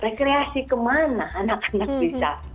rekreasi kemana anak anak bisa